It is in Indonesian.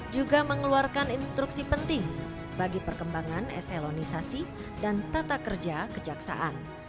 juga mengeluarkan instruksi penting bagi perkembangan eselonisasi dan tata kerja kejaksaan